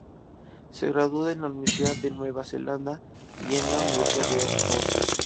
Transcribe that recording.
Se graduó en la Universidad de Nueva Zelanda y en la Universidad de Oxford.